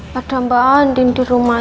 patah mba andin di rumah ini